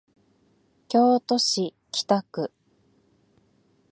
京都市北区